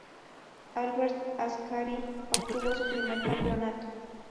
Alberto Ascari obtuvo su primer campeonato.